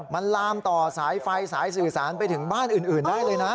มันลามต่อสายไฟสายสื่อสารไปถึงบ้านอื่นได้เลยนะ